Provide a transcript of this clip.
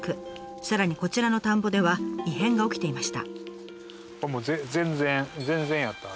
さらにこちらの田んぼでは異変が起きていました。